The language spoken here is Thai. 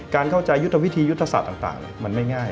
การเข้าใจยุทธวิธียุทธศาสตร์ต่างมันไม่ง่าย